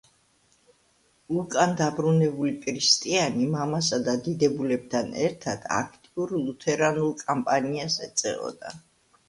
უკან დაბრუნებული კრისტიანი, მამასა და დიდებულებთან ერთად აქტიურ ლუთერანულ კამპანიას ეწეოდა.